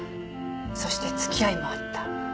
そして付き合いもあった。